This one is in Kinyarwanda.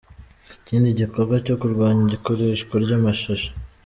Ikindi gikorwa cyo kurwanya ikoreshwa ry’amashashi